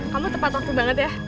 kamu tepat waktu banget ya